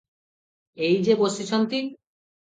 ଏଇ ଯେ ବସିଛନ୍ତି ।